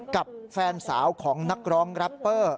กับแฟนสาวของนักร้องแรปเปอร์